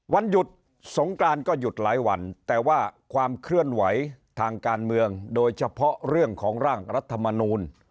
วันหยุดสงกรานก็หยุดหลายวันแต่ว่าความเคลื่อนไหวทางการเมืองโดยเฉพาะเรื่องของร่างรัฐมนูล